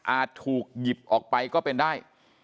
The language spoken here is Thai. ถูกหยิบออกไปก็เป็นได้